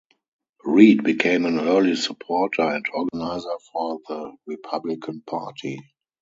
Read became an early supporter and organizer for the Republican Party.